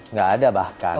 nggak ada bahkan